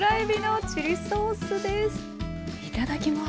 いただきます。